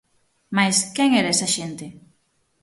Mais quen era esa xente?